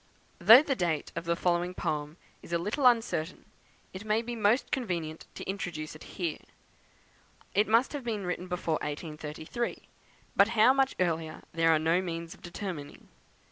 Though the date of the following poem is a little uncertain, it may be most convenient to introduce it here. It must have been written before 1833, but how much earlier there are no means of determining.